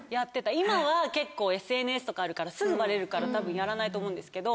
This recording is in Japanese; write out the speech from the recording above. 今は結構ＳＮＳとかあるからすぐバレるから多分やらないと思うんですけど。